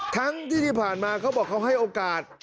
ทั้งที่ที่ผ่านมาเขาบอกเขาให้โอกาส